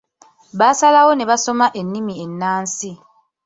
Baasalawo ne basoma ennimi ennansi.